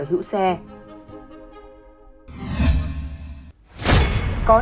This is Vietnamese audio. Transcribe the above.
các bãi giữ xe bị cháy